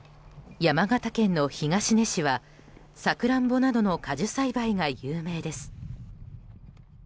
山形県の東根市はサクランボなどの果樹栽培が有名です。